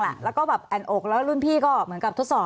แล้วก็แบบแอ่นอกแล้วรุ่นพี่ก็เหมือนกับทดสอบ